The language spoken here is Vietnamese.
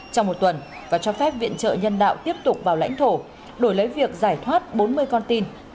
trong một tuần và cho phép viện trợ nhân đạo tiếp tục vào lãnh thổ đổi lấy việc giải thoát bốn mươi con tin